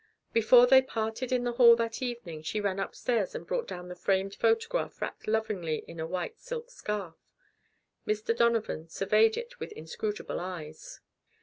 Before they parted in the hall that evening she ran upstairs and brought down the framed photograph wrapped lovingly in a white silk scarf. Mr. Donovan surveyed it with inscrutable eyes.